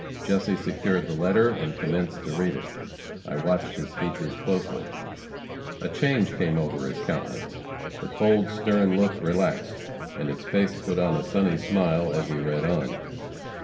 Jesse secured the letter, and commenced to read it. I watched his features closely. A change came over his countenance. The cold, stern look relaxed, and his face put on a sunny smile as he read on.